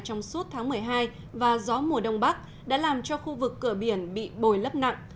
trong suốt tháng một mươi hai và gió mùa đông bắc đã làm cho khu vực cửa biển bị bồi lấp nặng